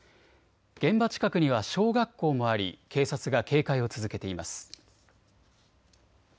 現場近くには小学校もあり警察が警戒を続けています。